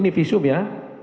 ini visum ya